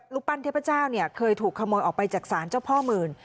ปั้นเทพเจ้าเนี่ยเคยถูกขโมยออกไปจากศาลเจ้าพ่อหมื่น